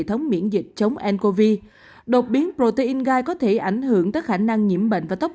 hệ thống miễn dịch chống ncov đột biến protein gai có thể ảnh hưởng tới khả năng nhiễm bệnh và tốc